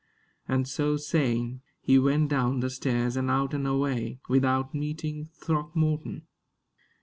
And so saying, he went down the stairs and out and away, without meeting Throckmorton.